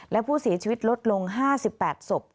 และผู้เสียชีวิตลดลง๕๘ศพ